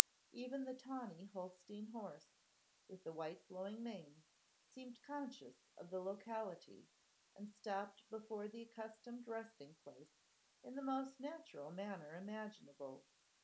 Even the tawny Holstein horse, with the white flowing mane, seemed conscious of the locality, and stopped before the accustomed resting place in the most natural manner imaginable.